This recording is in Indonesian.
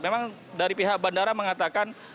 memang dari pihak bandara mengatakan